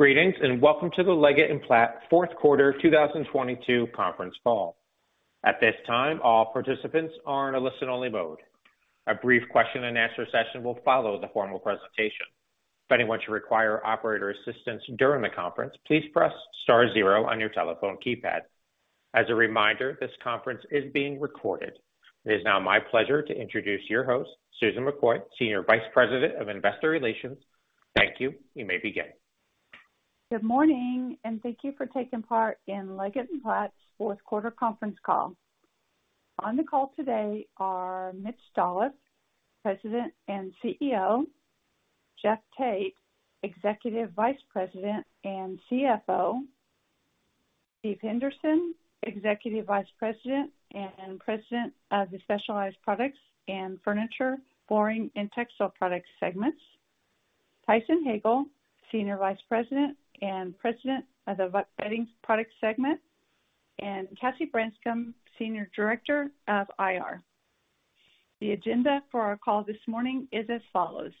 Greetings, welcome to the Leggett & Platt Q4 2022 Conference Call. At this time, all participants are in a listen-only mode. A brief question and answer session will follow the formal presentation. If anyone should require operator assistance during the conference, please press star zero on your telephone keypad. As a reminder, this conference is being recorded. It is now my pleasure to introduce your host, Susan McCoy, Senior Vice President of Investor Relations. Thank you. You may begin. Good morning. Thank you for taking part in Leggett & Platt's fourth quarter conference call. On the call today are Mitch Dolloff, President and CEO, Jeff Tate, Executive Vice President and CFO, Steve Henderson, Executive Vice President and President of the Specialized Products and Furniture, Flooring & Textile Products segments, Tyson Hagale, Senior Vice President and President of the Bedding Products segment, and Cassie Branscum, Senior Director of IR. The agenda for our call this morning is as follows.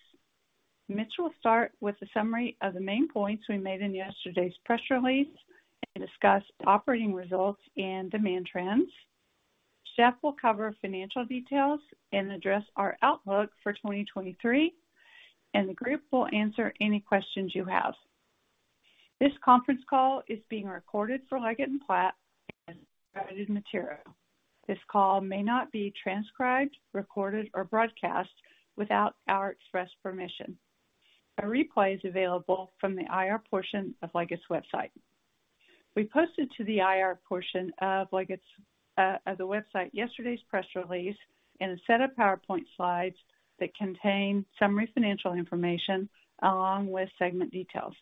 Mitch will start with a summary of the main points we made in yesterday's press release and discuss operating results and demand trends. Jeff will cover financial details and address our outlook for 2023, and the group will answer any questions you have. This conference call is being recorded for Leggett & Platt as private material. This call may not be transcribed, recorded, or broadcast without our express permission. A replay is available from the IR portion of Leggett's website. We posted to the IR portion of Leggett's the website yesterday's press release and a set of PowerPoint slides that contain summary financial information along with segment details.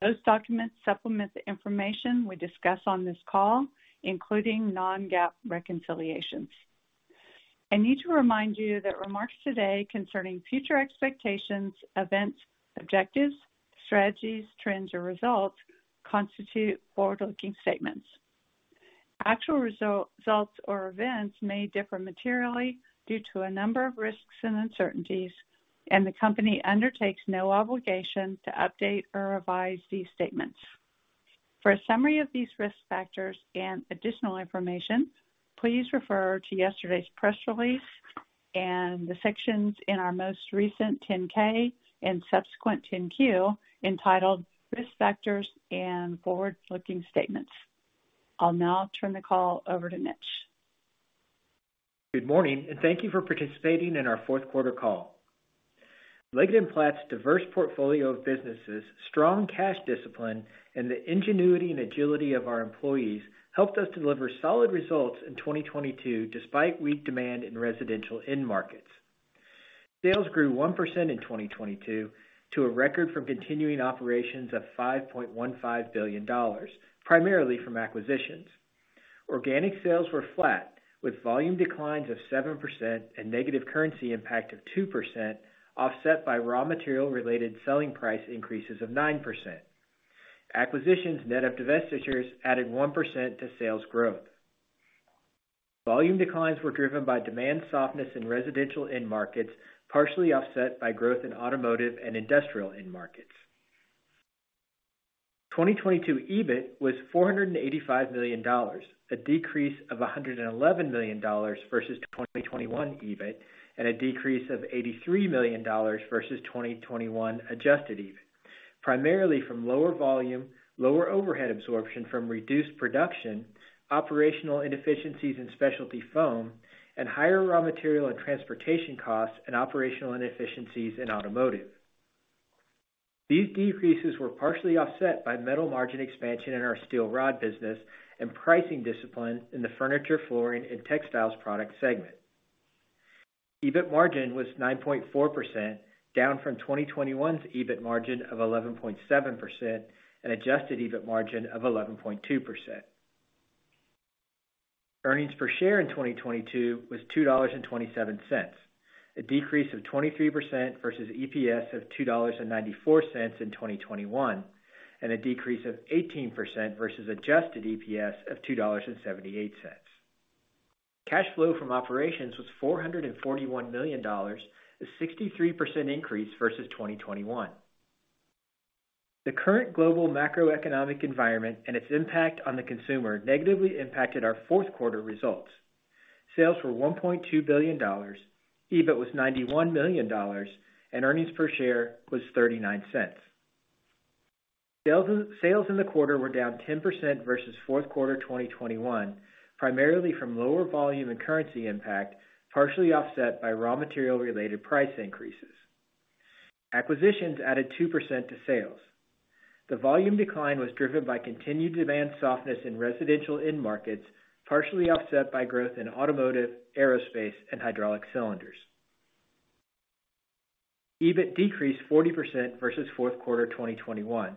Those documents supplement the information we discuss on this call, including Non-GAAP reconciliations. I need to remind you that remarks today concerning future expectations, events, objectives, strategies, trends, or results constitute forward-looking statements. Actual results or events may differ materially due to a number of risks and uncertainties, and the company undertakes no obligation to update or revise these statements. For a summary of these risk factors and additional information, please refer to yesterday's press release and the sections in our most recent 10-K and subsequent 10-Q entitled Risk Factors and Forward-Looking Statements. I'll now turn the call over to Mitch. Good morning, thank you for participating in our Q4 call. Leggett & Platt's diverse portfolio of businesses, strong cash discipline, and the ingenuity and agility of our employees helped us deliver solid results in 2022 despite weak demand in residential end markets. Sales grew 1% in 2022 to a record from continuing operations of $5.15 billion, primarily from acquisitions. Organic sales were flat, with volume declines of 7% and negative currency impact of 2% offset by raw material-related selling price increases of 9%. Acquisitions net of divestitures added 1% to sales growth. Volume declines were driven by demand softness in residential end markets, partially offset by growth in automotive and industrial end markets. 2022 EBIT was $485 million, a decrease of $111 million versus 2021 EBIT, a decrease of $83 million versus 2021 adjusted EBIT, primarily from lower volume, lower overhead absorption from reduced production, operational inefficiencies in specialty foam, and higher raw material and transportation costs and operational inefficiencies in automotive. These decreases were partially offset by metal margin expansion in our steel rod business and pricing discipline in the Furniture, Flooring & Textile Products segment. EBIT margin was 9.4%, down from 2021's EBIT margin of 11.7% and adjusted EBIT margin of 11.2%. Earnings per share in 2022 was $2.27, a decrease of 23% versus EPS of $2.94 in 2021, and a decrease of 18% versus adjusted EPS of $2.78. Cash flow from operations was $441 million, a 63% increase versus 2021. The current global macroeconomic environment and its impact on the consumer negatively impacted our Q4 results. Sales were $1.2 billion, EBIT was $91 million, and earnings per share was $0.39. Sales in the quarter were down 10% versus Q4 2021, primarily from lower volume and currency impact, partially offset by raw material-related price increases. Acquisitions added 2% to sales. The volume decline was driven by continued demand softness in residential end markets, partially offset by growth in automotive, aerospace, and hydraulic cylinders. EBIT decreased 40% versus Q4 2021,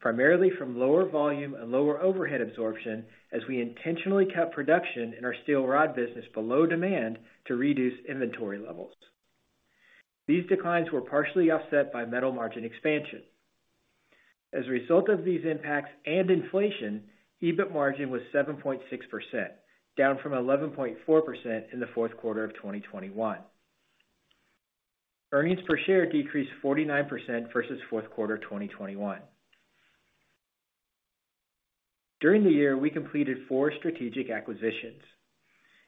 primarily from lower volume and lower overhead absorption as we intentionally kept production in our steel rod business below demand to reduce inventory levels. These declines were partially offset by metal margin expansion. As a result of these impacts and inflation, EBIT margin was 7.6%, down from 11.4% in the fourth quarter of 2021. Earnings per share decreased 49% versus fourth quarter 2021. During the year, we completed four strategic acquisitions.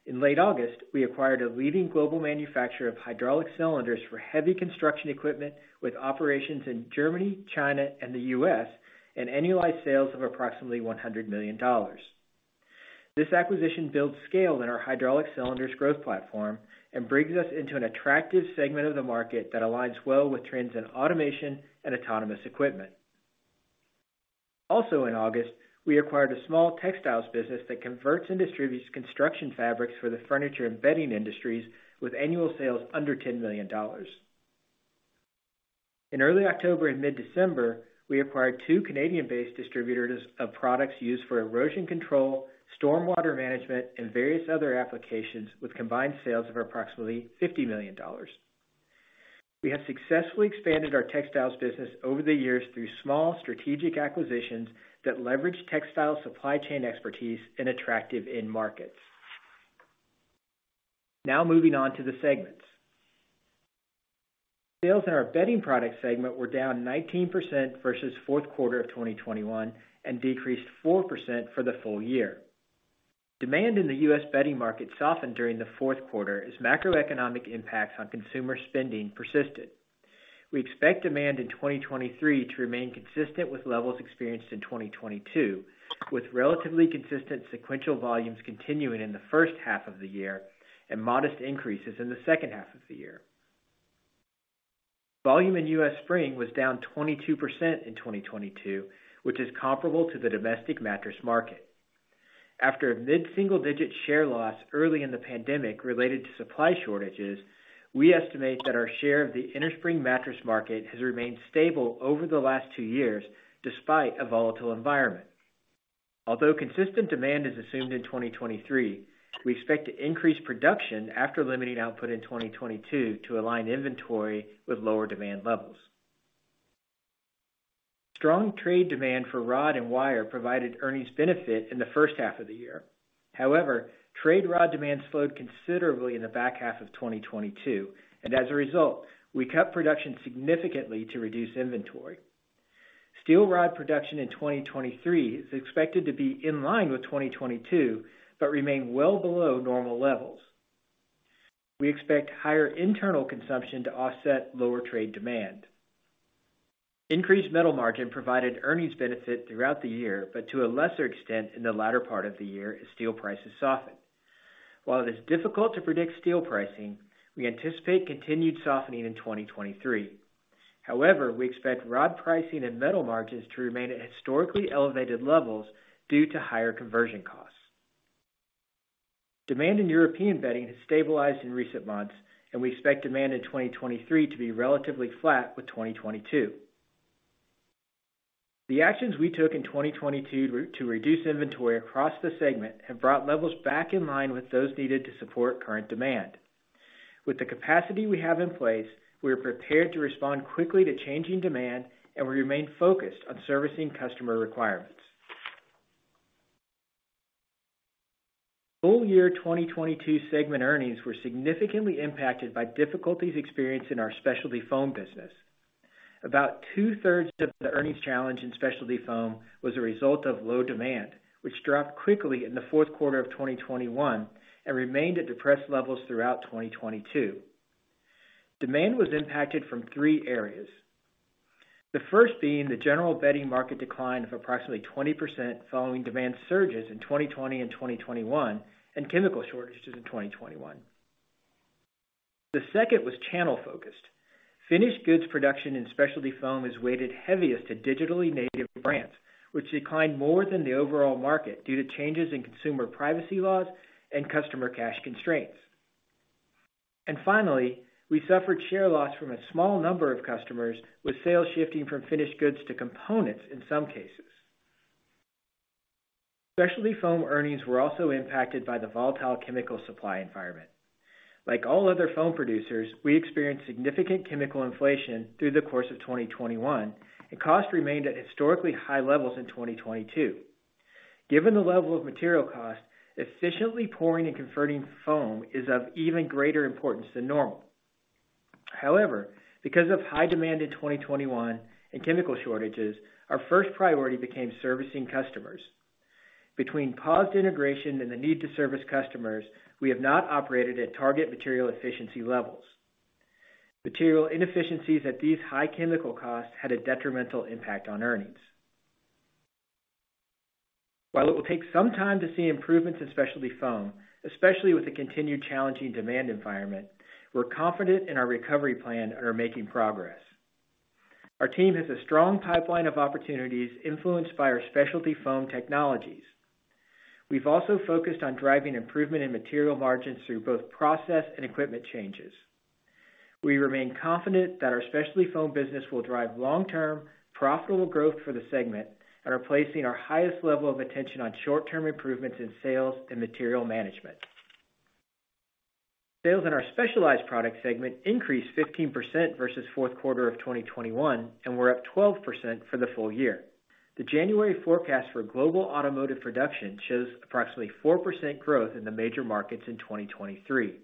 In late August, we acquired a leading global manufacturer of hydraulic cylinders for heavy construction equipment with operations in Germany, China, and the U.S., and annualized sales of approximately $100 million. This acquisition builds scale in our hydraulic cylinders growth platform and brings us into an attractive segment of the market that aligns well with trends in automation and autonomous equipment. Also in August, we acquired a small textiles business that converts and distributes construction fabrics for the furniture and bedding industries with annual sales under $10 million. In early October and mid-December, we acquired two Canadian-based distributors of products used for erosion control, storm water management, and various other applications with combined sales of approximately $50 million. We have successfully expanded our textiles business over the years through small strategic acquisitions that leverage textile supply chain expertise in attractive end markets. Now moving on to the segments. Sales in our Bedding Products segment were down 19% versus fourth quarter of 2021 and decreased 4% for the full year. Demand in the U.S. bedding market softened during the fourth quarter as macroeconomic impacts on consumer spending persisted. We expect demand in 2023 to remain consistent with levels experienced in 2022, with relatively consistent sequential volumes continuing in the first half of the year and modest increases in the second half of the year. Volume in U.S. Spring was down 22% in 2022, which is comparable to the domestic mattress market. After a mid-single-digit share loss early in the pandemic related to supply shortages, we estimate that our share of the innerspring mattress market has remained stable over the last two years despite a volatile environment. Consistent demand is assumed in 2023, we expect to increase production after limiting output in 2022 to align inventory with lower demand levels. Strong trade demand for rod and wire provided earnings benefit in the H1 of the year. Trade rod demand slowed considerably in the back half of 2022, and as a result, we cut production significantly to reduce inventory. Steel rod production in 2023 is expected to be in line with 2022, but remain well below normal levels. We expect higher internal consumption to offset lower trade demand. Increased Metal margin provided earnings benefit throughout the year, but to a lesser extent in the latter part of the year as steel prices softened. While it is difficult to predict steel pricing, we anticipate continued softening in 2023. We expect rod pricing and Metal margins to remain at historically elevated levels due to higher conversion costs. Demand in European bedding has stabilized in recent months, and we expect demand in 2023 to be relatively flat with 2022. The actions we took in 2022 to reduce inventory across the segment have brought levels back in line with those needed to support current demand. With the capacity we have in place, we are prepared to respond quickly to changing demand, and we remain focused on servicing customer requirements. Full year 2022 segment earnings were significantly impacted by difficulties experienced in our specialty foam business. About 2/3 of the earnings challenge in specialty foam was a result of low demand, which dropped quickly in the fourth quarter of 2021 and remained at depressed levels throughout 2022. Demand was impacted from three areas. The first being the general bedding market decline of approximately 20% following demand surges in 2020 and 2021, and chemical shortages in 2021. The second was channel-focused. Finished goods production in specialty foam is weighted heaviest to digitally native brands, which declined more than the overall market due to changes in consumer privacy laws and customer cash constraints. Finally, we suffered share loss from a small number of customers, with sales shifting from finished goods to components in some cases. Specialty foam earnings were also impacted by the volatile chemical supply environment. Like all other foam producers, we experienced significant chemical inflation through the course of 2021, and costs remained at historically high levels in 2022. Given the level of material costs, efficiently pouring and converting foam is of even greater importance than normal. However, because of high demand in 2021 and chemical shortages, our first priority became servicing customers. Between paused integration and the need to service customers, we have not operated at target material efficiency levels. Material inefficiencies at these high chemical costs had a detrimental impact on earnings. While it will take some time to see improvements in specialty foam, especially with the continued challenging demand environment, we're confident in our recovery plan and are making progress. Our team has a strong pipeline of opportunities influenced by our specialty foam technologies. We've also focused on driving improvement in material margins through both process and equipment changes. We remain confident that our specialty foam business will drive long-term, profitable growth for the segment and are placing our highest level of attention on short-term improvements in sales and material management. Sales in our Specialized Products segment increased 15% versus fourth quarter of 2021 and were up 12% for the full year. The January forecast for global automotive production shows approximately 4% growth in the major markets in 2023.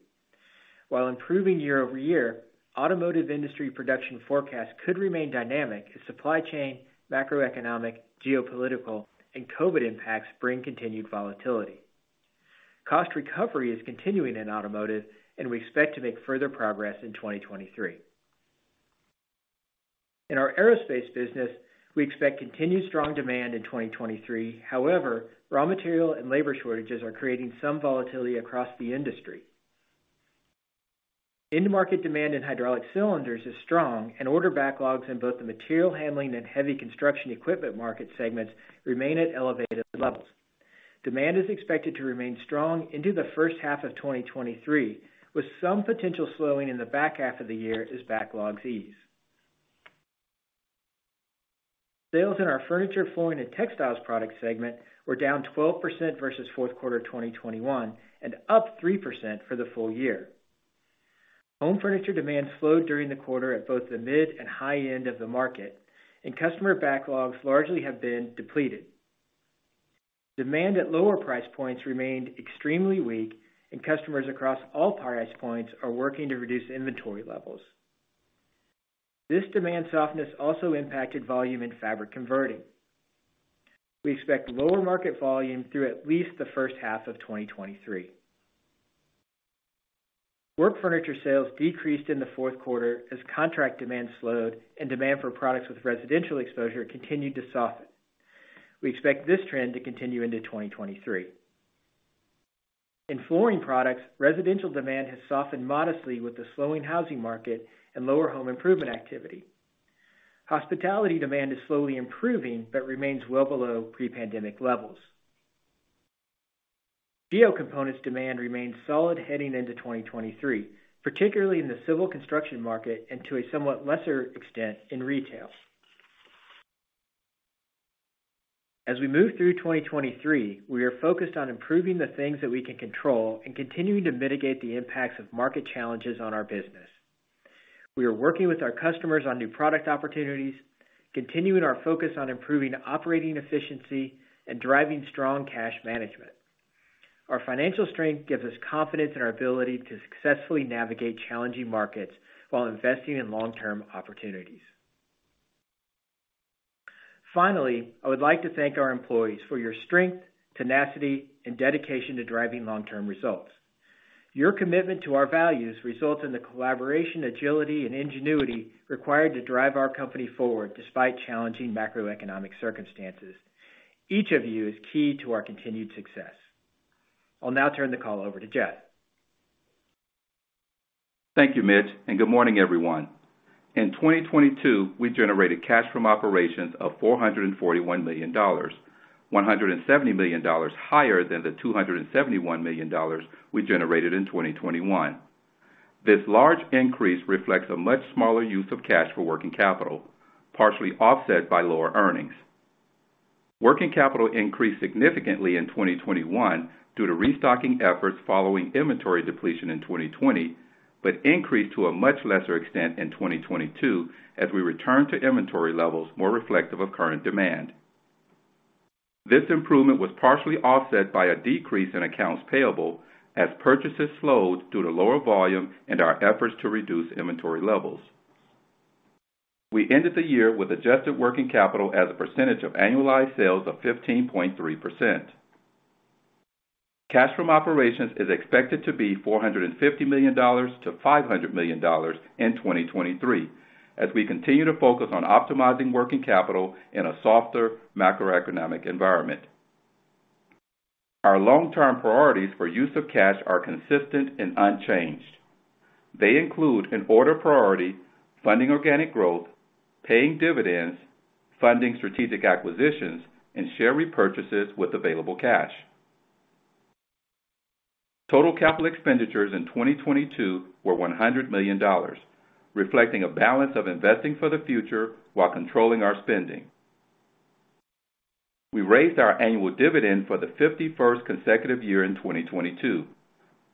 While improving year-over-year, automotive industry production forecast could remain dynamic as supply chain, macroeconomic, geopolitical, and COVID impacts bring continued volatility. Cost recovery is continuing in automotive, and we expect to make further progress in 2023. In our aerospace business, we expect continued strong demand in 2023. However, raw material and labor shortages are creating some volatility across the industry. End market demand in hydraulic cylinders is strong, and order backlogs in both the material handling and heavy construction equipment market segments remain at elevated levels. Demand is expected to remain strong into the H1 of 2023, with some potential slowing in the back half of the year as backlogs ease. Sales in our Furniture, Flooring & Textile Products segment were down 12% versus Q4 2021 and up 3% for the full year. Home furniture demand slowed during the quarter at both the mid and high end of the market, and customer backlogs largely have been depleted. Demand at lower price points remained extremely weak, and customers across all price points are working to reduce inventory levels. This demand softness also impacted volume and fabric converting. We expect lower market volume through at least the H1of 2023. Work furniture sales decreased in the Q4 as contract demand slowed and demand for products with residential exposure continued to soften. We expect this trend to continue into 2023. In flooring products, residential demand has softened modestly with the slowing housing market and lower home improvement activity. Hospitality demand is slowly improving but remains well below pre-pandemic levels. Geo Components demand remains solid heading into 2023, particularly in the civil construction market and to a somewhat lesser extent in retail. As we move through 2023, we are focused on improving the things that we can control and continuing to mitigate the impacts of market challenges on our business. We are working with our customers on new product opportunities, continuing our focus on improving operating efficiency and driving strong cash management. Our financial strength gives us confidence in our ability to successfully navigate challenging markets while investing in long-term opportunities. Finally, I would like to thank our employees for your strength, tenacity, and dedication to driving long-term results. Your commitment to our values results in the collaboration, agility, and ingenuity required to drive our company forward despite challenging macroeconomic circumstances. Each of you is key to our continued success. I'll now turn the call over to Jeff. Thank you, Mitch, and good morning, everyone. In 2022, we generated cash from operations of $441 million, $170 million higher than the $271 million we generated in 2021. This large increase reflects a much smaller use of cash for working capital, partially offset by lower earnings. Working capital increased significantly in 2021 due to restocking efforts following inventory depletion in 2020, but increased to a much lesser extent in 2022 as we return to inventory levels more reflective of current demand. This improvement was partially offset by a decrease in accounts payable as purchases slowed due to lower volume and our efforts to reduce inventory levels. We ended the year with adjusted working capital as a percentage of annualized sales of 15.3%. Cash from operations is expected to be $450 million to $500 million in 2023 as we continue to focus on optimizing working capital in a softer macroeconomic environment. Our long-term priorities for use of cash are consistent and unchanged. They include an order priority, funding organic growth, paying dividends, funding strategic acquisitions, and share repurchases with available cash. Total capital expenditures in 2022 were $100 million, reflecting a balance of investing for the future while controlling our spending. We raised our annual dividend for the 51st consecutive year in 2022,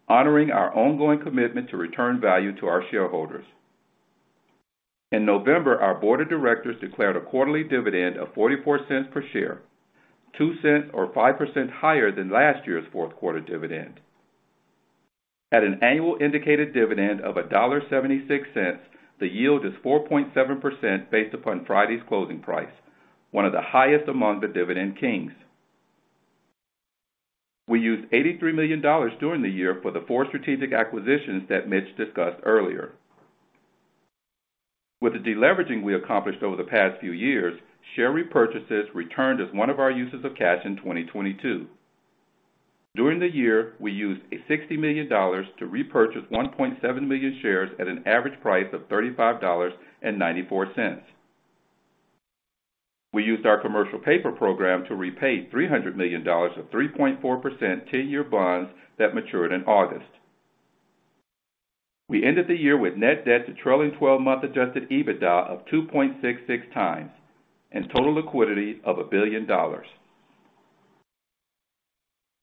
honoring our ongoing commitment to return value to our shareholders. In November, our board of directors declared a quarterly dividend of $0.44 per share, $0.02 or 5% higher than last year's fourth quarter dividend. At an annual indicated dividend of $1.76, the yield is 4.7% based upon Friday's closing price, one of the highest among the Dividend Kings. We used $83 million during the year for the four strategic acquisitions that Mitch discussed earlier. With the deleveraging we accomplished over the past few years, share repurchases returned as one of our uses of cash in 2022. During the year, we used $60 million to repurchase 1.7 million shares at an average price of $35.94. We used our commercial paper program to repay $300 million of 3.4% 10-year bonds that matured in August. We ended the year with net debt to trailing twelve month adjusted EBITDA of 2.66 times and total liquidity of $1 billion.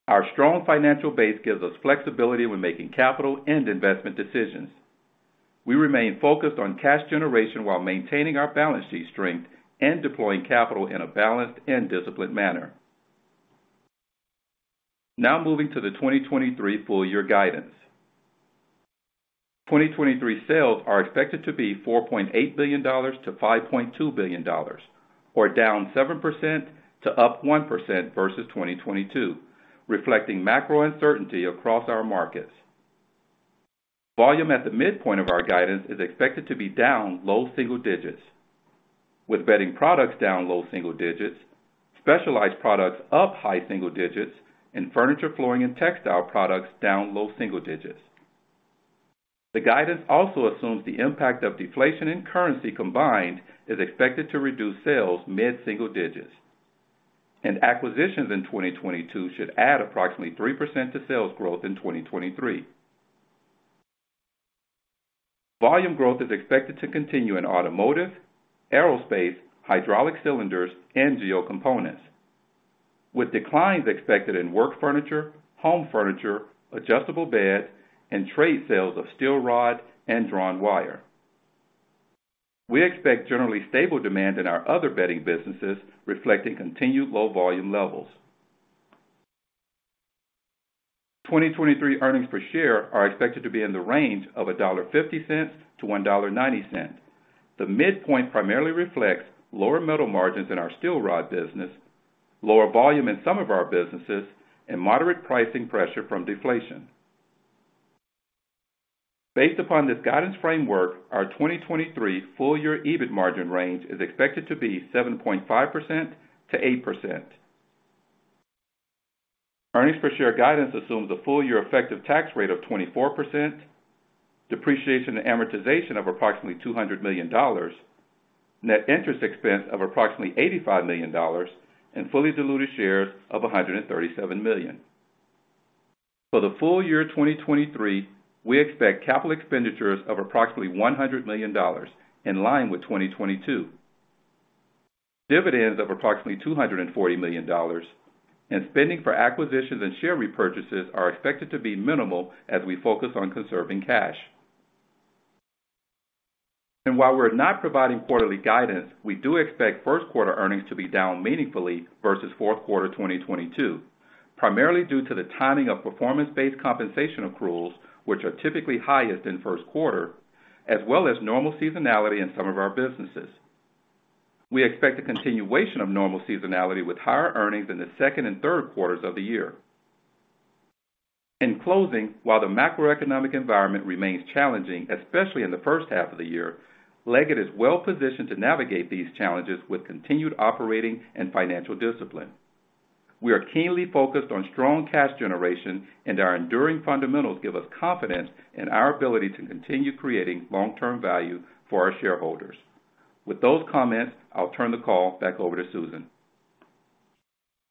Our strong financial base gives us flexibility when making capital and investment decisions. We remain focused on cash generation while maintaining our balance sheet strength and deploying capital in a balanced and disciplined manner. Now moving to the 2023 full year guidance. 2023 sales are expected to be $4.8 billion-$5.2 billion, or down 7% to up 1% versus 2022, reflecting macro uncertainty across our markets. Volume at the midpoint of our guidance is expected to be down low single digits, with Bedding Products down low single digits, Specialized Products up high single digits, and Furniture, Flooring, and Textile Products down low single digits. The guidance also assumes the impact of deflation and currency combined is expected to reduce sales mid-single digits. Acquisitions in 2022 should add approximately 3% to sales growth in 2023. Volume growth is expected to continue in automotive, aerospace, hydraulic cylinders, and Geo Components, with declines expected in work furniture, home furniture, adjustable beds, and trade sales of steel rod and drawn wire. We expect generally stable demand in our other bedding businesses, reflecting continued low volume levels. 2023 earnings per share are expected to be in the range of $1.50-$1.90. The midpoint primarily reflects lower metal margins in our steel rod business, lower volume in some of our businesses, and moderate pricing pressure from deflation. Based upon this guidance framework, our 2023 full year EBIT margin range is expected to be 7.5%-8%. Earnings per share guidance assumes a full year effective tax rate of 24%, depreciation and amortization of approximately $200 million, net interest expense of approximately $85 million, and fully diluted shares of 137 million. For the full year 2023, we expect capital expenditures of approximately $100 million, in line with 2022. Dividends of approximately $240 million and spending for acquisitions and share repurchases are expected to be minimal as we focus on conserving cash. While we're not providing quarterly guidance, we do expect Q1 earnings to be down meaningfully versus Q4 2022, primarily due to the timing of performance-based compensation accruals, which are typically highest in first quarter, as well as normal seasonality in some of our businesses. We expect a continuation of normal seasonality with higher earnings in the Q2 and Q3 of the year. In closing, while the macro-economic environment remains challenging, especially in the first half of the year, Leggett is well positioned to navigate these challenges with continued operating and financial discipline. We are keenly focused on strong cash generation, our enduring fundamentals give us confidence in our ability to continue creating long-term value for our shareholders. With those comments, I'll turn the call back over to Susan.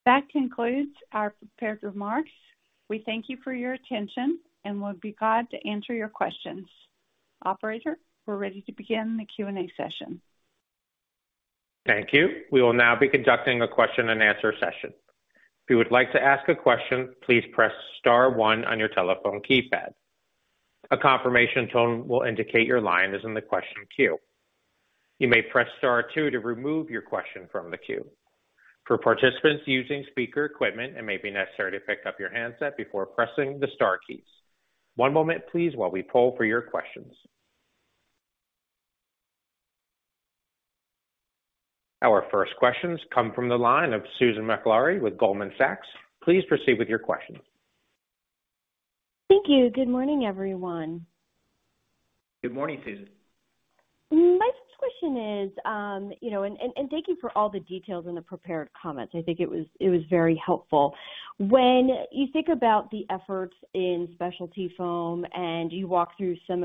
That concludes our prepared remarks. We thank you for your attention and we'll be glad to answer your questions. Operator, we're ready to begin the Q&A session. Thank you. We will now be conducting a question and answer session. If you would like to ask a question, please press star one on your telephone keypad. A confirmation tone will indicate your line is in the question queue. You may press star two to remove your question from the queue. For participants using speaker equipment, it may be necessary to pick up your handset before pressing the star keys. One moment please while we poll for your questions. Our first questions come from the line of Susan Maklari with Goldman Sachs. Please proceed with your question. Thank you. Good morning, everyone. Good morning, Susan. My question is, you know, thank you for all the details in the prepared comments. I think it was very helpful. When you think about the efforts in specialty foam and you walk through some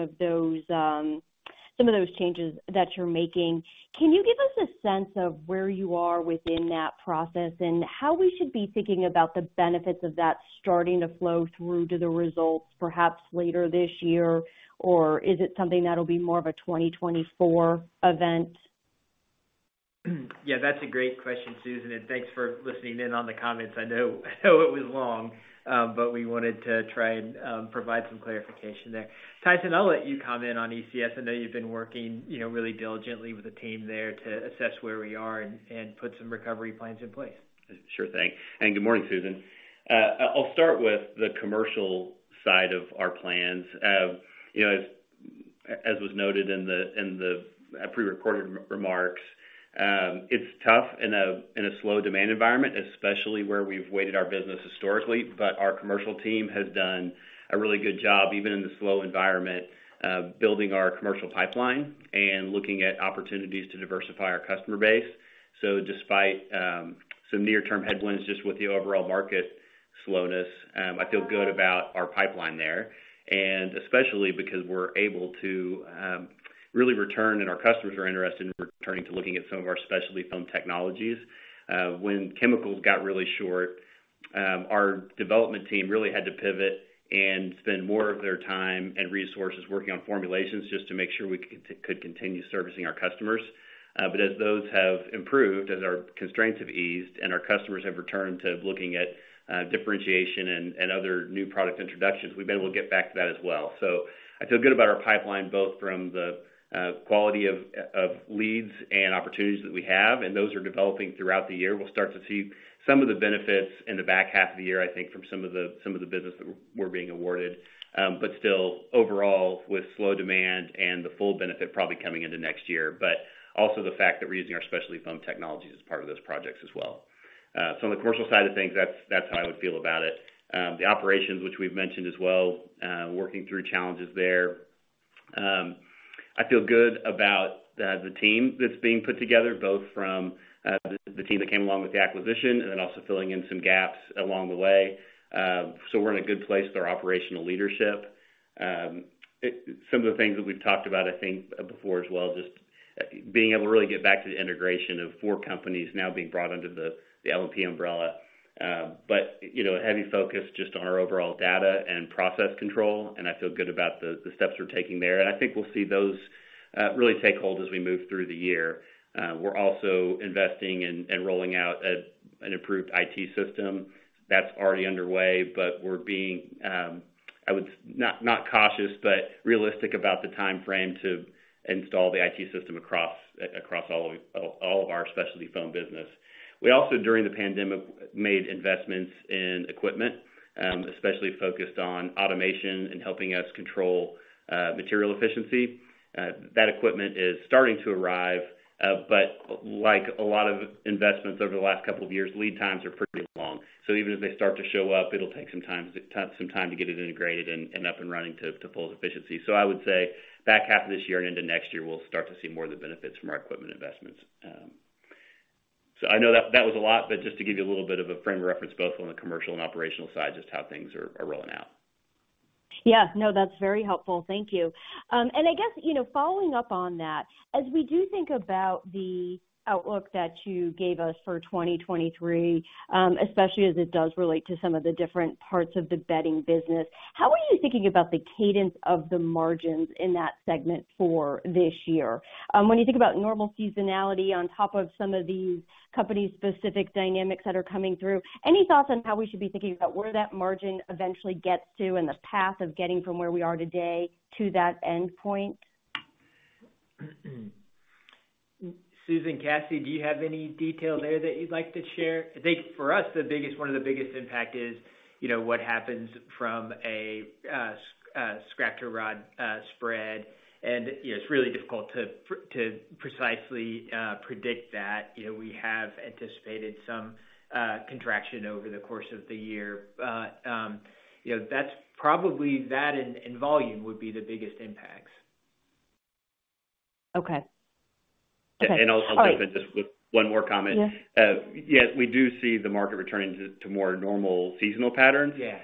of those changes that you're making, can you give us a sense of where you are within that process and how we should be thinking about the benefits of that starting to flow through to the results perhaps later this year? Or is it something that'll be more of a 2024 event? That's a great question, Susan, thanks for listening in on the comments. I know it was long, we wanted to try and provide some clarification there. Tyson, I'll let you comment on ECS. I know you've been working, you know, really diligently with the team there to assess where we are and put some recovery plans in place. Sure thing. Good morning, Susan. I'll start with the commercial side of our plans. You know, as was noted in the prerecorded re-remarks, it's tough in a slow demand environment, especially where we've weighted our business historically. Our commercial team has done a really good job, even in the slow environment, building our commercial pipeline and looking at opportunities to diversify our customer base. Despite, some near-term headwinds just with the overall market slowness, I feel good about our pipeline there, and especially because we're able to Really return and our customers are interested in returning to looking at some of our Specialty Foam technologies. When chemicals got really short, our development team really had to pivot and spend more of their time and resources working on formulations just to make sure we could continue servicing our customers. As those have improved, as our constraints have eased and our customers have returned to looking at differentiation and other new product introductions, we've been able to get back to that as well. I feel good about our pipeline, both from the quality of leads and opportunities that we have, and those are developing throughout the year. We'll start to see some of the benefits in the back half of the year, I think from some of the business that we're being awarded. Still overall, with slow demand and the full benefit probably coming into next year, but also the fact that we're using our specialty foam technologies as part of those projects as well. On the commercial side of things, that's how I would feel about it. The operations which we've mentioned as well, working through challenges there. I feel good about the team that's being put together, both from, the team that came along with the acquisition and then also filling in some gaps along the way. We're in a good place with our operational leadership. Some of the things that we've talked about, I think before as well, just being able to really get back to the integration of four companies now being brought under the LPP umbrella. You know, a heavy focus just on our overall data and process control, and I feel good about the steps we're taking there. I think we'll see those really take hold as we move through the year. We're also investing and rolling out an improved IT system that's already underway, but we're being not cautious, but realistic about the timeframe to install the IT system across all of our specialty foam business. We also, during the pandemic, made investments in equipment, especially focused on automation and helping us control material efficiency. That equipment is starting to arrive, but like a lot of investments over the last couple of years, lead times are pretty long. Even as they start to show up, it'll take some time to get it integrated and up and running to full efficiency. I would say back half of this year and into next year, we'll start to see more of the benefits from our equipment investments. I know that was a lot, but just to give you a little bit of a frame of reference, both on the commercial and operational side, just how things are rolling out. Yeah. No, that's very helpful. Thank you. I guess, you know, following up on that, as we do think about the outlook that you gave us for 2023, especially as it does relate to some of the different parts of the bedding business, how are you thinking about the cadence of the margins in that segment for this year? When you think about normal seasonality on top of some of these company specific dynamics that are coming through, any thoughts on how we should be thinking about where that margin eventually gets to and the path of getting from where we are today to that endpoint? Susan, Cassie, do you have any detail there that you'd like to share? I think for us, the biggest, one of the biggest impact is, you know, what happens from a scrap-to-rod spread. You know, it's really difficult to precisely predict that. You know, we have anticipated some contraction over the course of the year. You know, that's probably that and volume would be the biggest impacts. Okay. I'll just end this with one more comment. Yes. Yes, we do see the market returning to more normal seasonal patterns. Yeah.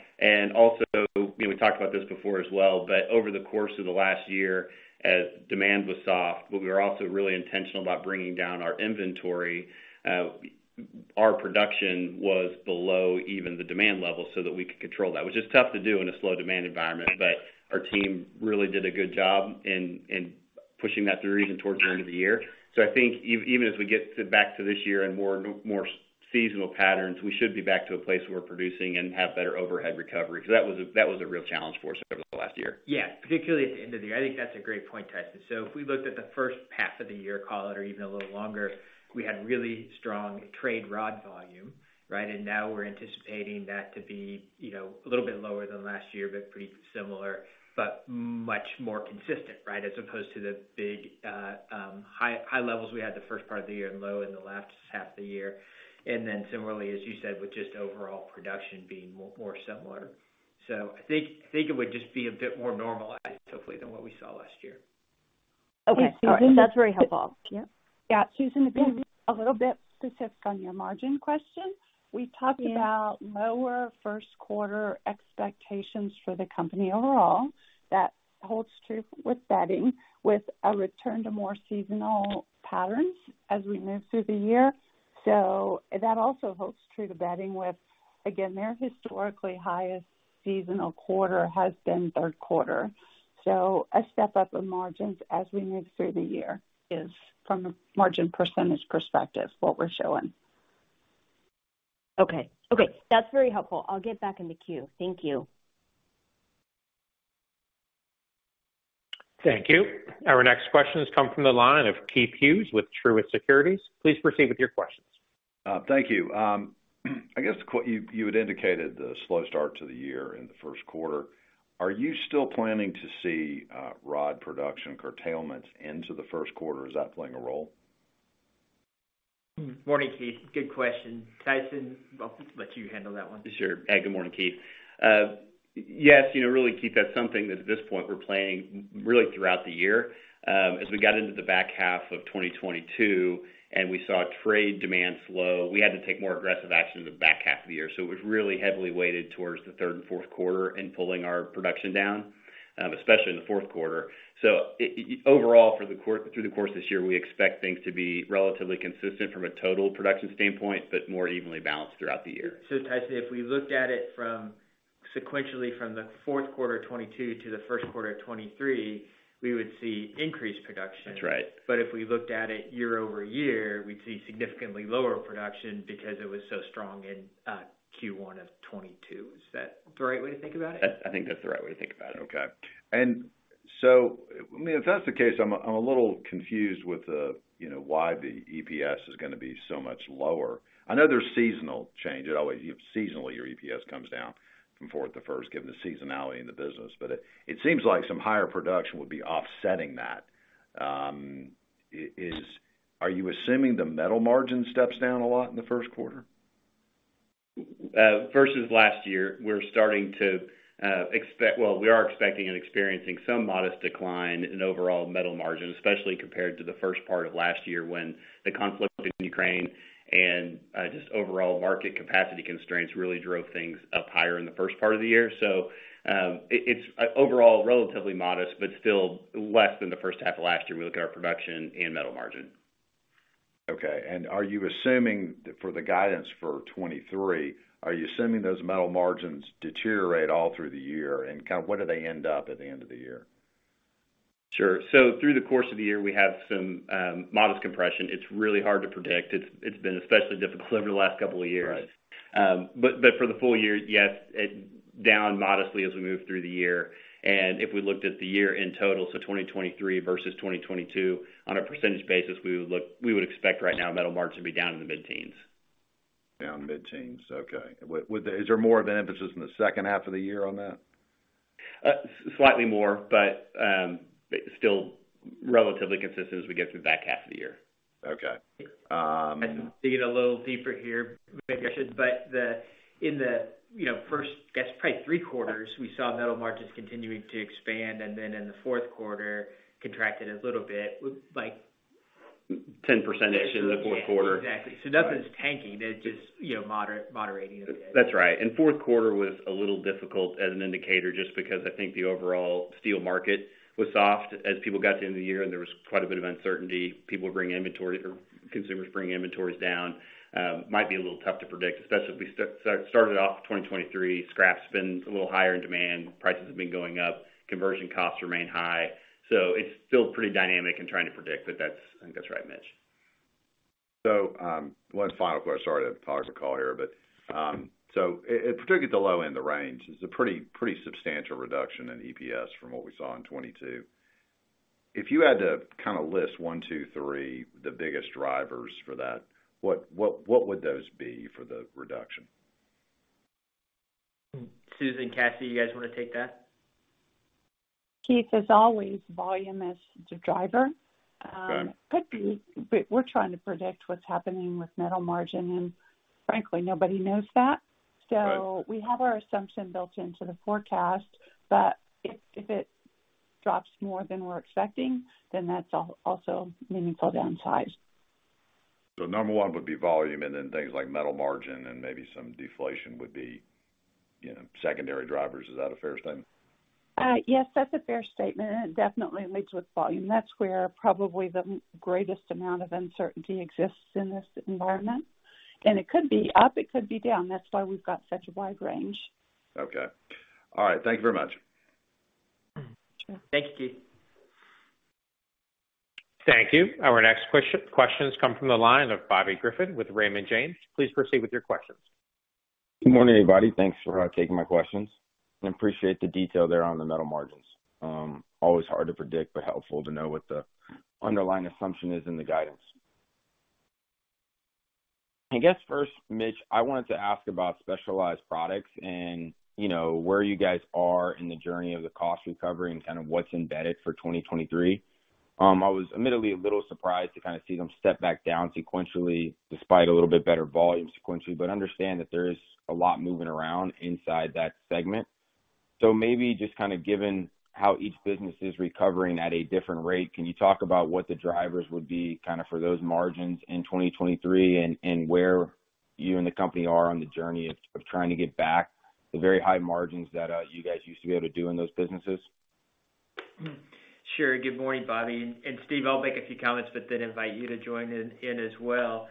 Also, you know, we talked about this before as well, but over the course of the last year, as demand was soft, but we were also really intentional about bringing down our inventory. Our production was below even the demand level so that we could control that, which is tough to do in a slow demand environment. Our team really did a good job in pushing that through, even towards the end of the year. I think even as we get back to this year and more seasonal patterns, we should be back to a place where we're producing and have better overhead recovery, because that was a real challenge for us over the last year. Yeah, particularly at the end of the year. I think that's a great point, Tyson. If we looked at the first half of the year, call it, or even a little longer, we had really strong trade rod volume, right? Now we're anticipating that to be, you know, a little bit lower than last year, but pretty similar, but much more consistent, right? As opposed to the big high levels we had the first part of the year and low in the last half of the year. Similarly, as you said, with just overall production being more similar. I think it would just be a bit more normalized hopefully than what we saw last year. Okay. That's very helpful. Yeah. Susan, a little bit specific on your margin question. We talked about lower first quarter expectations for the company overall. That holds true with bedding, with a return to more seasonal patterns as we move through the year. That also holds true to bedding with, again, their historically highest seasonal quarter has been third quarter. A step up in margins as we move through the year is from a margin percentage perspective, what we're showing. Okay. Okay, that's very helpful. I'll get back in the queue. Thank you. Thank you. Our next question has come from the line of Keith Hughes with Truist Securities. Please proceed with your questions. Thank you. I guess what you had indicated the slow start to the year in the Q1. Are you still planning to see rod production curtailments into the Q1? Is that playing a role? Morning, Keith. Good question. Tyson, I'll just let you handle that one. Sure. Good morning, Keith. Yes, you know, really, Keith, that's something that at this point we're planning really throughout the year. As we got into the back half of 2022 and we saw trade demand slow, we had to take more aggressive action in the back half of the year. It was really heavily weighted towards the third and fourth quarter in pulling our production down, especially in the Q4. Overall, through the course of this year, we expect things to be relatively consistent from a total production standpoint, but more evenly balanced throughout the year. Tyson, if we looked at it from sequentially from the fourth quarter of 2022 to the first quarter of 2023, we would see increased production. That's right. If we looked at it year-over-year, we'd see significantly lower production because it was so strong in Q1 of 2022. Is that the right way to think about it? I think that's the right way to think about it. Okay. I mean, if that's the case, I'm a little confused with the, you know, why the EPS is gonna be so much lower. I know there's seasonal change. It always seasonally, your EPS comes down from fourth to first, given the seasonality in the business. It seems like some higher production would be offsetting that. Are you assuming the metal margin steps down a lot in the first quarter? Versus last year, we're starting to, we are expecting and experiencing some modest decline in overall metal margin, especially compared to the first part of last year when the conflict in Ukraine and just overall market capacity constraints really drove things up higher in the first part of the year. It's overall relatively modest, but still less than the first half of last year when we look at our production and metal margin. Okay. Are you assuming for the guidance for 2023, are you assuming those metal margins deteriorate all through the year? kind of where do they end up at the end of the year? Sure. Through the course of the year, we have some modest compression. It's really hard to predict. It's been especially difficult over the last couple of years. Right. For the full year, yes, it down modestly as we move through the year. If we looked at the year in total, 2023 versus 2022, on a percentage basis, we would expect right now metal margin to be down in the mid-teens. Down mid-teens, okay. Would the-- is there more of an emphasis in the second half of the year on that? Slightly more, but still relatively consistent as we get through the back half of the year. Okay. Digging a little deeper here, maybe I should. In the, you know, first, I guess, probably three quarters, we saw metal margins continuing to expand, and then in the Q4 contracted a little bit with like. 10% in the fourth quarter. Exactly. Right. nothing's tanking. It's just, you know, moderating a bit. That's right. Fourth quarter was a little difficult as an indicator just because I think the overall steel market was soft. People got to the end of the year, and there was quite a bit of uncertainty, people were bringing inventory or consumers bringing inventories down, might be a little tough to predict, especially started off 2023, scrap's been a little higher in demand, prices have been going up, conversion costs remain high. It's still pretty dynamic in trying to predict, but that's I think that's right, Mitch. One final question. Sorry to hog the call here. In particular, the low end of the range is a pretty substantial reduction in EPS from what we saw in 2022. If you had to kind of list one, two, three, the biggest drivers for that, what would those be for the reduction? Susan, Cassie, you guys wanna take that? Keith, as always, volume is the driver. Okay. We're trying to predict what's happening with metal margin, and frankly, nobody knows that. Right. We have our assumption built into the forecast, but if it drops more than we're expecting, then that's also meaningful downside. Number one would be volume, and then things like metal margin and maybe some deflation would be, you know, secondary drivers. Is that a fair statement? Yes, that's a fair statement. It definitely leads with volume. That's where probably the greatest amount of uncertainty exists in this environment. It could be up, it could be down. That's why we've got such a wide range. Okay. All right. Thank you very much. Sure. Thank you, Keith. Thank you. Our next question comes from the line of Bobby Griffin with Raymond James. Please proceed with your questions. Good morning, everybody. Thanks for taking my questions. Appreciate the detail there on the metal margins. Always hard to predict, but helpful to know what the underlying assumption is in the guidance. I guess first, Mitch, I wanted to ask about Specialized Products and, you know, where you guys are in the journey of the cost recovery and kind of what's embedded for 2023. I was admittedly a little surprised to kind of see them step back down sequentially despite a little bit better volume sequentially. Understand that there is a lot moving around inside that segment. Maybe just kind of given how each business is recovering at a different rate, can you talk about what the drivers would be kind of for those margins in 2023 and where you and the company are on the journey of trying to get back the very high margins that you guys used to be able to do in those businesses? Sure. Good morning, Bobby. Steve, I'll make a few comments, then invite you to join in as well.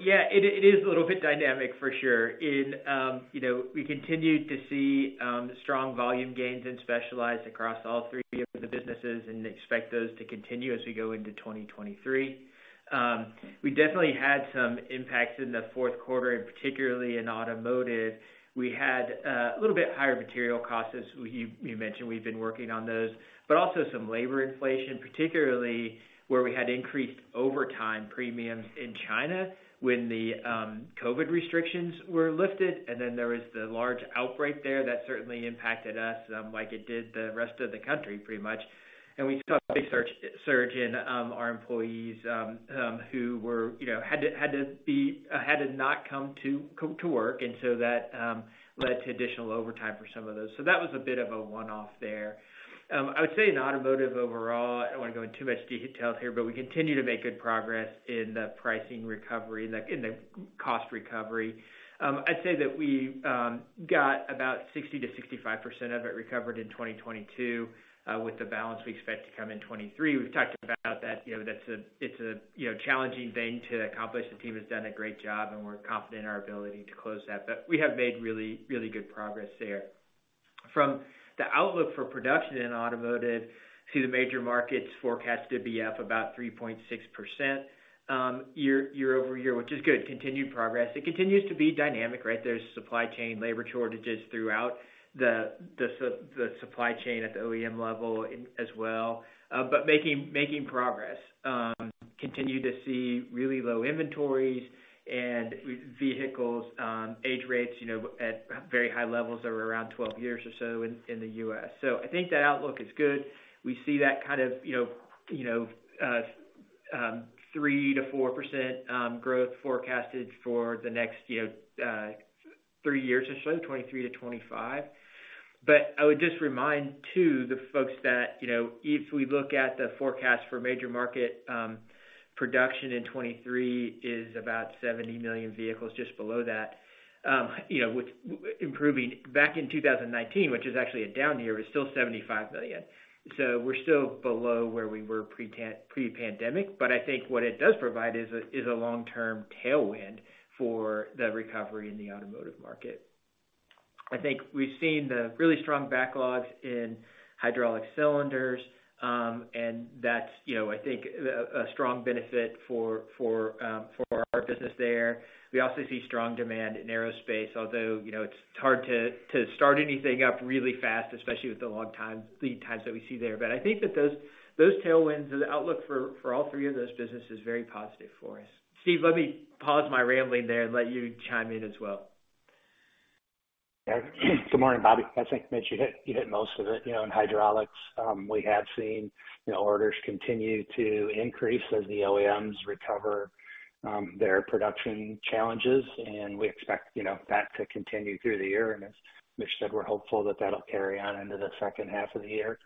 Yeah, it is a little bit dynamic for sure. You know, we continued to see strong volume gains in Specialized across all three of the businesses expect those to continue as we go into 2023. We definitely had some impacts in the fourth quarter, particularly in automotive. We had a little bit higher material costs, as you mentioned. We've been working on those. Also some labor inflation, particularly where we had increased overtime premiums in China when the COVID restrictions were lifted. There was the large outbreak there that certainly impacted us, like it did the rest of the country pretty much. We saw a big surge in our employees, you know, had to not come to work. That led to additional overtime for some of those. That was a bit of a one-off there. I would say in automotive overall, I don't wanna go in too much detail here, but we continue to make good progress in the pricing recovery, like in the cost recovery. I'd say that we got about 60%-65% of it recovered in 2022, with the balance we expect to come in 2023. We've talked about that. You know, it's a, you know, challenging thing to accomplish. The team has done a great job, and we're confident in our ability to close that. We have made really good progress there. From the outlook for production in automotive to the major markets forecast to be up about 3.6% year-over-year, which is good. Continued progress. It continues to be dynamic, right? There's supply chain labor shortages throughout the supply chain at the OEM level as well. Making progress. Continue to see really low inventories and vehicles, age rates, you know, at very high levels of around 12 years or so in the U.S. I think that outlook is good. We see that kind of, you know, 3%-4% growth forecasted for the next, you know, three years or so, 2023 to 2025. I would just remind too the folks that, you know, if we look at the forecast for major market production in 2023 is about 70 million vehicles just below that, you know, with improving. Back in 2019, which is actually a down year, is still 75 million. We're still below where we were pre-pandemic, but I think what it does provide is a long-term tailwind for the recovery in the automotive market. I think we've seen the really strong backlogs in hydraulic cylinders, and that's, you know, I think a strong benefit for our business there. We also see strong demand in aerospace, although, you know, it's hard to start anything up really fast, especially with the long lead times that we see there. I think that those tailwinds and the outlook for all three of those businesses is very positive for us. Steve, let me pause my rambling there and let you chime in as well. Yeah. Good morning, Bobby. I think, Mitch, you hit most of it. You know, in hydraulics, we have seen, you know, orders continue to increase as the OEMs recover their production challenges, and we expect, you know, that to continue through the year. As Mitch said, we're hopeful that that'll carry on into the second half of the year.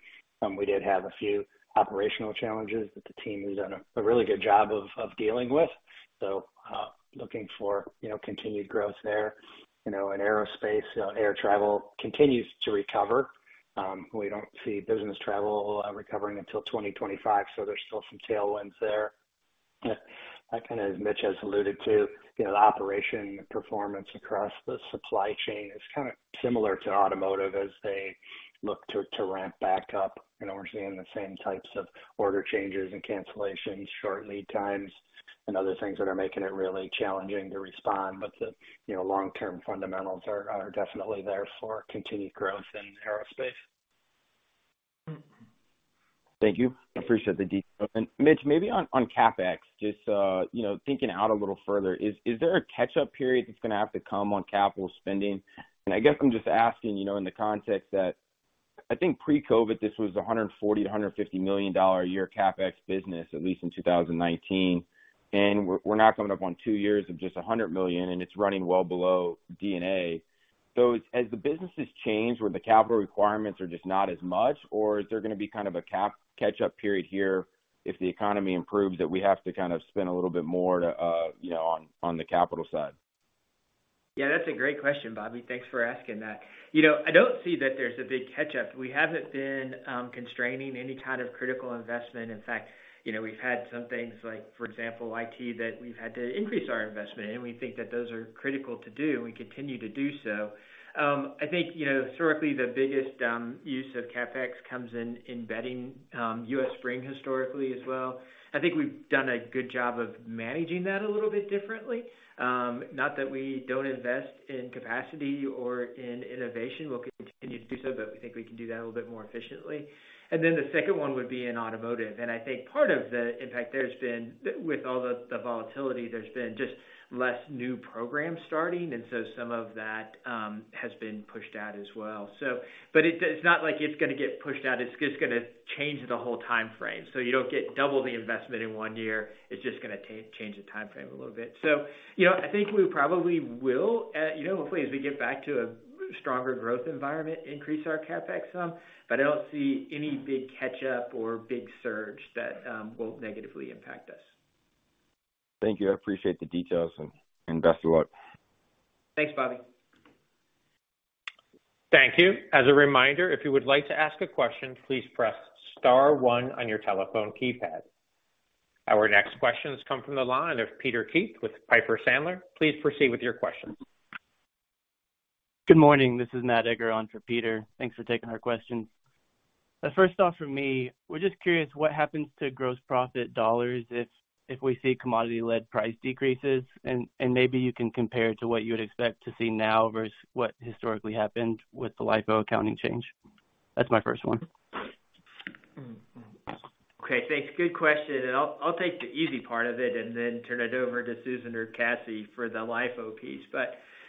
We did have a few operational challenges that the team has done a really good job of dealing with. Looking for, you know, continued growth there. You know, in aerospace, air travel continues to recover. We don't see business travel recovering until 2025, so there's still some tailwinds there. That kind of, as Mitch has alluded to, you know, the operation performance across the supply chain is kind of similar to automotive as they look to ramp back up. You know, we're seeing the same types of order changes and cancellations, short lead times, and other things that are making it really challenging to respond. The, you know, long-term fundamentals are definitely there for continued growth in aerospace. Thank you. I appreciate the detail. Mitch, maybe on CapEx, just, you know, thinking out a little further, is there a catch-up period that's gonna have to come on capital spending? I guess I'm just asking, you know, in the context that I think pre-COVID, this was a $140 million-$150 million a year CapEx business, at least in 2019. We're now coming up on two years of just $100 million, and it's running well below D&A. As the business has changed where the capital requirements are just not as much, or is there gonna be kind of a cap catch-up period here if the economy improves, that we have to kind of spend a little bit more to, you know, on the capital side? Yeah, that's a great question, Bobby. Thanks for asking that. You know, I don't see that there's a big catch-up. We haven't been constraining any kind of critical investment. In fact, you know, we've had some things like, for example, IT, that we've had to increase our investment, and we think that those are critical to do, and we continue to do so. I think, you know, historically, the biggest use of CapEx comes in Bedding, U.S. Spring historically as well. I think we've done a good job of managing that a little bit differently. Not that we don't invest in capacity or in innovation. We'll continue to do so, but we think we can do that a little bit more efficiently. The second one would be in automotive. I think part of the impact there has been, with all the volatility, there's been just less new programs starting, some of that has been pushed out as well. It's not like it's gonna get pushed out. It's just gonna change the whole timeframe. You don't get double the investment in one year. It's just gonna change the timeframe a little bit. You know, I think we probably will, you know, hopefully, as we get back to a stronger growth environment, increase our CapEx some, but I don't see any big catch up or big surge that will negatively impact us. Thank you. I appreciate the details, and best of luck. Thanks, Bobby. Thank you. As a reminder, if you would like to ask a question, please press star one on your telephone keypad. Our next question comes from the line of Peter Keith with Piper Sandler. Please proceed with your question. Good morning. This is Matt Egger on for Peter. Thanks for taking our questions. First off for me, we're just curious what happens to gross profit dollars if we see commodity-led price decreases? Maybe you can compare it to what you would expect to see now versus what historically happened with the LIFO accounting change. That's my first one. Okay, thanks. Good question. I'll take the easy part of it and then turn it over to Susan McCoy or Cassie Branscum for the LIFO piece.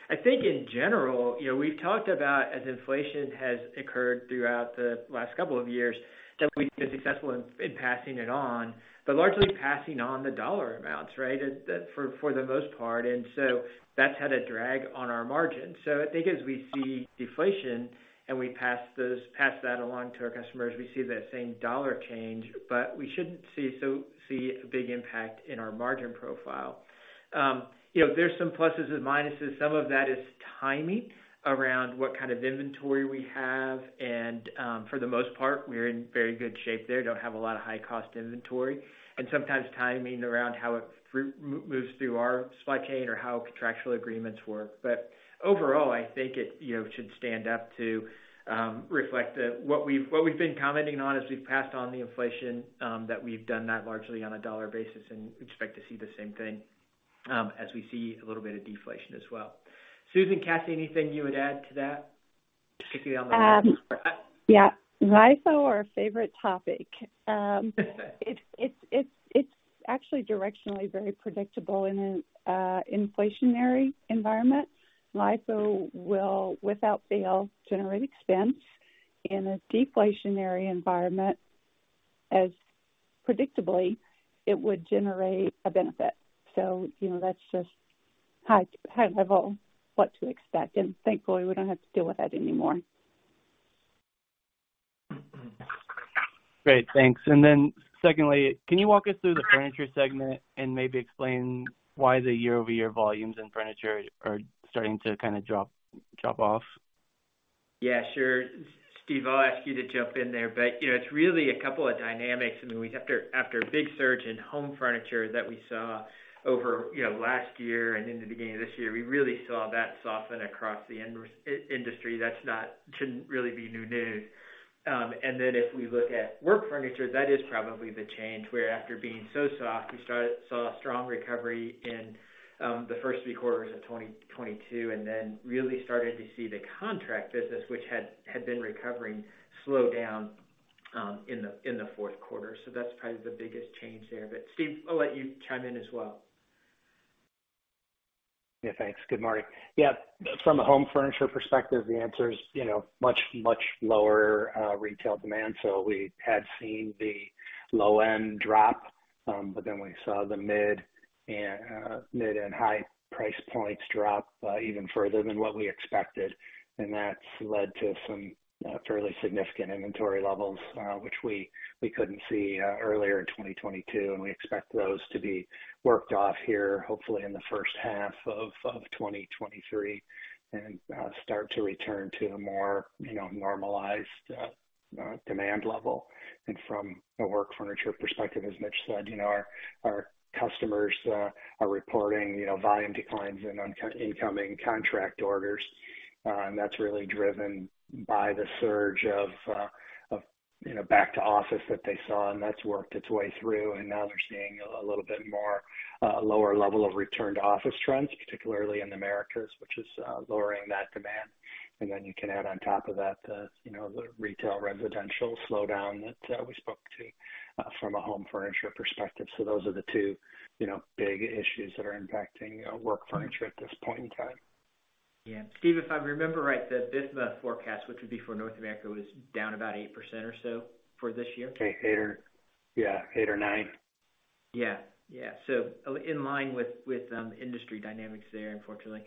I think in general, you know, we've talked about, as inflation has occurred throughout the last two years, that we've been successful in passing it on, but largely passing on the $ amounts, right? For the most part, that's had a drag on our margin. I think as we see deflation and we pass that along to our customers, we see that same $ change, but we shouldn't see a big impact in our margin profile. You know, there's some pluses and minuses. Some of that is timing around what kind of inventory we have, and for the most part, we're in very good shape there. Don't have a lot of high cost inventory. Sometimes timing around how it moves through our supply chain or how contractual agreements work. Overall, I think it, you know, should stand up to reflect what we've been commenting on as we've passed on the inflation, that we've done that largely on a dollar basis, and we expect to see the same thing as we see a little bit of deflation as well. Susan, Cassie, anything you would add to that? Yeah. LIFO, our favorite topic. It's actually directionally very predictable in an inflationary environment. LIFO will, without fail, generate expense. In a deflationary environment, as predictably, it would generate a benefit. You know, that's just high level what to expect. Thankfully, we don't have to deal with that anymore. Great. Thanks. Then secondly, can you walk us through the Furniture segment and maybe explain why the year-over-year volumes in Furniture are starting to kinda drop off? Yeah, sure. Steve, I'll ask you to jump in there. You know, it's really a couple of dynamics. I mean, after a big surge in home furniture that we saw over, you know, last year and into the beginning of this year, we really saw that soften across the industry. That shouldn't really be new news. If we look at work furniture, that is probably the change, where after being so soft, we saw a strong recovery in the first three quarters of 2022, really started to see the contract business, which had been recovering, slow down in the fourth quarter. That's probably the biggest change there. Steve, I'll let you chime in as well. Thanks. Good morning. From a home furniture perspective, the answer is, you know, much, much lower retail demand. We had seen the low end drop, we saw the mid and high price points drop even further than what we expected. That's led to some fairly significant inventory levels, which we couldn't see earlier in 2022, and we expect those to be worked off here, hopefully in the first half of 2023, and start to return to a more, you know, normalized demand level. From a work furniture perspective, as Mitch said, you know, our customers are reporting, you know, volume declines in incoming contract orders. That's really driven by the surge of, you know, back to office that they saw, and that's worked its way through. Now they're seeing a little bit more, lower level of return to office trends, particularly in Americas, which is lowering that demand. Then you can add on top of that, the, you know, the retail residential slowdown that we spoke to from a home furniture perspective. Those are the two, you know, big issues that are impacting work furniture at this point in time. Yeah. Steve, if I remember right, the BIFMA forecast, which would be for North America, was down about 8% or so for this year. Okay. Eight or... Yeah, eight or nine. Yeah. Yeah. In line with industry dynamics there, unfortunately.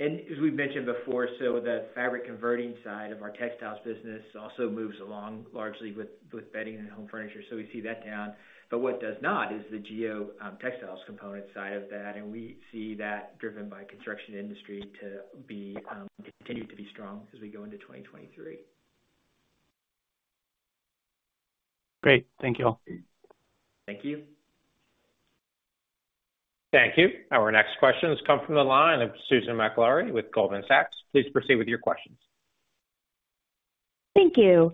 As we've mentioned before, the fabric converting side of our textiles business also moves along largely with bedding and home furniture, so we see that down. What does not is the geotextiles component side of that, and we see that driven by construction industry to be continue to be strong as we go into 2023. Great. Thank you all. Thank you. Thank you. Our next question has come from the line of Susan Maklari with Goldman Sachs. Please proceed with your questions. Thank you.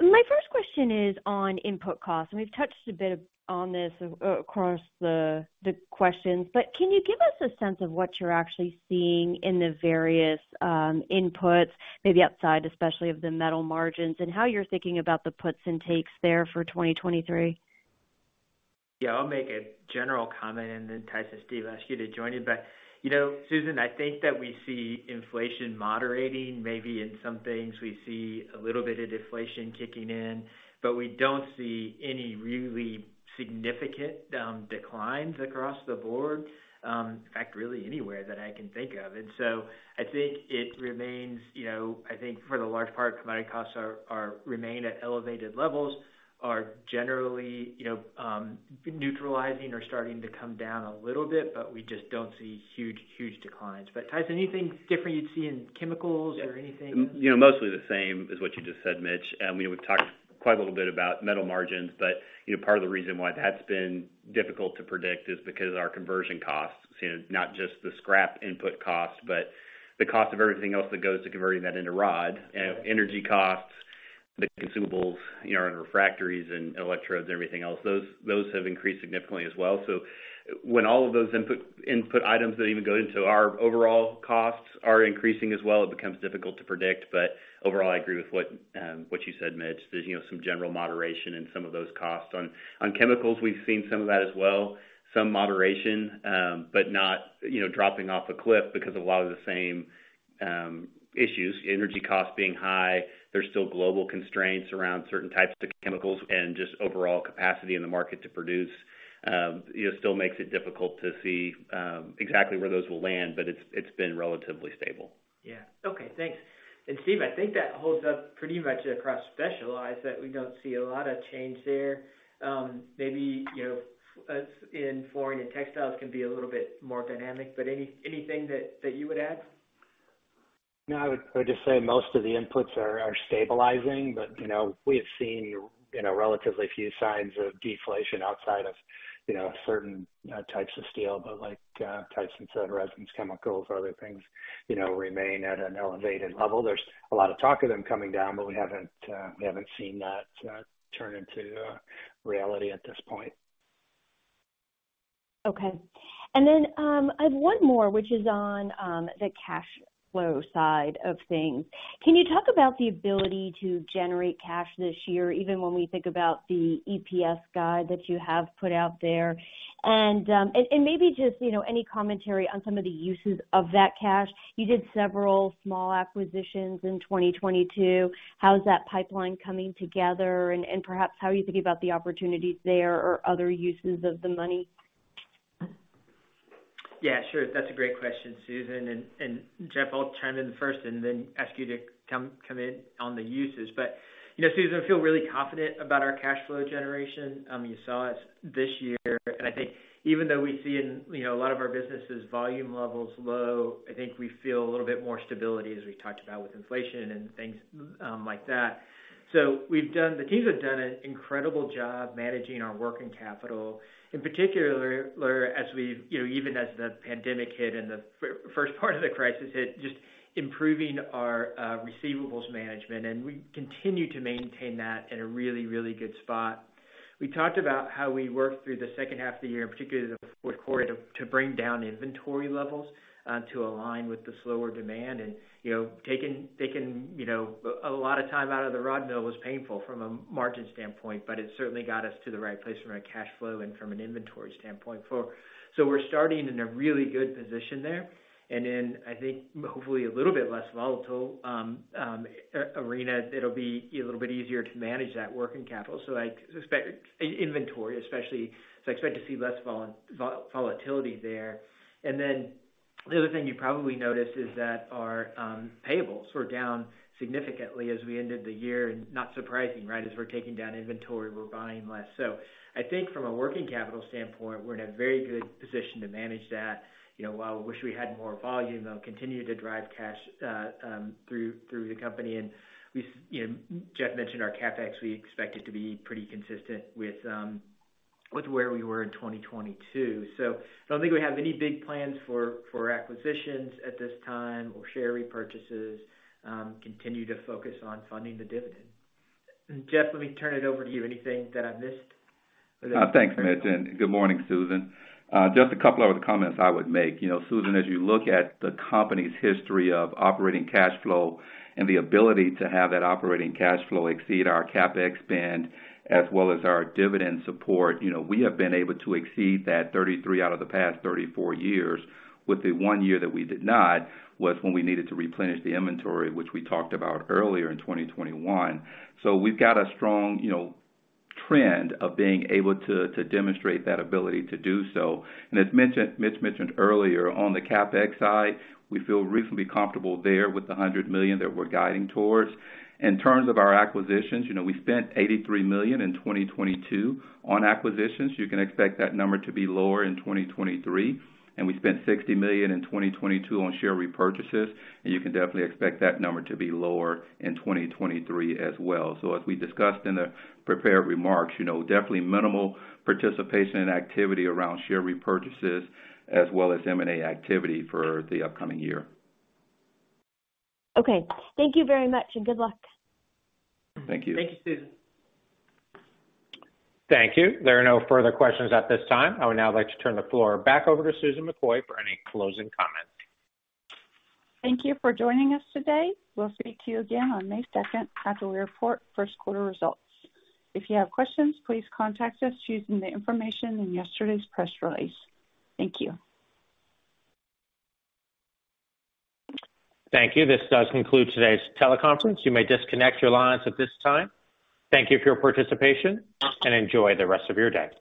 My first question is on input costs, we've touched a bit on this across the questions. Can you give us a sense of what you're actually seeing in the various inputs, maybe outside, especially of the metal margins, and how you're thinking about the puts and takes there for 2023? Yeah, I'll make a general comment and then, Tyson, Steve, ask you to join in. You know, Susan, I think that we see inflation moderating. Maybe in some things we see a little bit of deflation kicking in, but we don't see any really significant declines across the board, in fact, really anywhere that I can think of. I think it remains, you know, I think for the large part, commodity costs are remain at elevated levels, are generally, you know, neutralizing or starting to come down a little bit, but we just don't see huge declines. Tyson, anything different you'd see in chemicals or anything else? You know, mostly the same as what you just said, Mitch. You know, we've talked quite a little bit about metal margins, but, you know, part of the reason why that's been difficult to predict is because of our conversion costs. You know, not just the scrap input cost, but the cost of everything else that goes to converting that into rod. You know, energy costs, the consumables, you know, and refractories and electrodes, everything else, those have increased significantly as well. When all of those input items that even go into our overall costs are increasing as well, it becomes difficult to predict. Overall, I agree with what you said, Mitch. There's, you know, some general moderation in some of those costs. On chemicals, we've seen some of that as well, some moderation, but not, you know, dropping off a cliff because of a lot of the same issues. Energy costs being high. There's still global constraints around certain types of chemicals and just overall capacity in the market to produce, you know, still makes it difficult to see exactly where those will land. It's been relatively stable. Yeah. Okay, thanks. Steve, I think that holds up pretty much across Specialized Products that we don't see a lot of change there. Maybe, you know, as in flooring and Textiles can be a little bit more dynamic. Anything that you would add? No, I would just say most of the inputs are stabilizing, but, you know, we have seen, you know, relatively few signs of deflation outside of, you know, certain types of steel. Like Tyson said, resins, chemicals or other things, you know, remain at an elevated level. There's a lot of talk of them coming down, but we haven't, we haven't seen that turn into reality at this point. Okay. I have one more which is on the cash flow side of things. Can you talk about the ability to generate cash this year even when we think about the EPS guide that you have put out there? Maybe just, you know, any commentary on some of the uses of that cash. You did several small acquisitions in 2022. How is that pipeline coming together? Perhaps how are you thinking about the opportunities there or other uses of the money? Yeah, sure. That's a great question, Susan. Jeff, I'll chime in first and then ask you to come in on the uses. You know, Susan, I feel really confident about our cash flow generation. You saw it this year. I think even though we've seen, you know, a lot of our businesses volume levels low, I think we feel a little bit more stability as we talked about with inflation and things like that. The teams have done an incredible job managing our working capital, in particular, as we've, you know, even as the pandemic hit and the first part of the crisis hit, just improving our receivables management. We continue to maintain that in a really good spot. We talked about how we worked through the second half of the year, in particular the fourth quarter, to bring down inventory levels to align with the slower demand. You know, taking, you know, a lot of time out of the rod mill was painful from a margin standpoint, but it certainly got us to the right place from a cash flow and from an inventory standpoint. We're starting in a really good position there. In, I think, hopefully a little bit less volatile arena, it'll be a little bit easier to manage that working capital. I expect inventory especially, I expect to see less volatility there. Then the other thing you probably noticed is that our payables were down significantly as we ended the year. Not surprising, right? As we're taking down inventory, we're buying less. I think from a working capital standpoint, we're in a very good position to manage that. You know, while we wish we had more volume, they'll continue to drive cash through the company. You know, Jeff mentioned our CapEx, we expect it to be pretty consistent with where we were in 2022. I don't think we have any big plans for acquisitions at this time or share repurchases. Continue to focus on funding the dividend. Jeff, let me turn it over to you. Anything that I missed? Thanks, Mitch, good morning, Susan. Just a couple other comments I would make. You know, Susan, as you look at the company's history of operating cash flow and the ability to have that operating cash flow exceed our CapEx spend as well as our dividend support, you know, we have been able to exceed that 33 out of the past 34 years. With the one year that we did not was when we needed to replenish the inventory, which we talked about earlier in 2021. We've got a strong, you know, trend of being able to demonstrate that ability to do so. Mitch mentioned earlier, on the CapEx side, we feel reasonably comfortable there with the $100 million that we're guiding towards. In terms of our acquisitions, you know, we spent $83 million in 2022 on acquisitions. You can expect that number to be lower in 2023. We spent $60 million in 2022 on share repurchases, and you can definitely expect that number to be lower in 2023 as well. As we discussed in the prepared remarks, you know, definitely minimal participation and activity around share repurchases as well as M&A activity for the upcoming year. Okay. Thank you very much, and good luck. Thank you. Thank you, Susan. Thank you. There are no further questions at this time. I would now like to turn the floor back over to Susan McCoy for any closing comments. Thank you for joining us today. We'll speak to you again on May 2 after we report first quarter results. If you have questions, please contact us using the information in yesterday's press release. Thank you. Thank you. This does conclude today's teleconference. You may disconnect your lines at this time. Thank you for your participation. Enjoy the rest of your day.